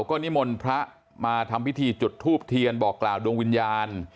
ก็นิมนต์พระมาทำพิธีจุดทูบเทียนบอกกล่าวดวงวิญญาณ